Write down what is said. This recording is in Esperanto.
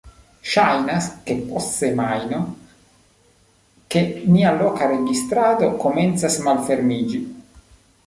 ŝajnas, ke post semajno, ke nia loka registrado komencas malfermiĝi